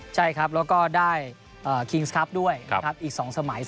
ใช่ครับแล้วก็ได้คิงส์ครับด้วยอีก๒สมัย